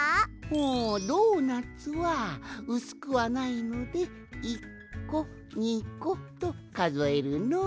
ほうドーナツはうすくはないので「１こ２こ」とかぞえるのう。